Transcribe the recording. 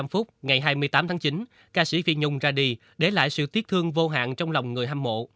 một mươi hai h một mươi năm ngày hai mươi tám tháng chín ca sĩ phiền nhùng ra đi để lại sự tiếc thương vô hạn trong lòng người hâm mộ